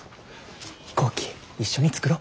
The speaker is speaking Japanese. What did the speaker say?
飛行機一緒に作ろ。